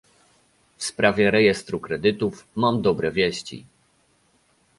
W sprawie rejestru kredytów mam dobre wieści